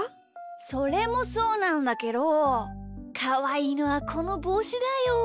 それもそうなんだけどかわいいのはこのぼうしだよ。